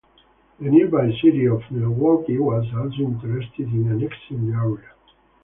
The nearby city of Milwaukie was also interested in annexing the area.